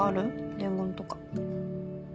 伝言とか。